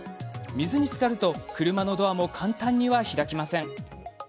水につかると、車のドアも簡単には開きません。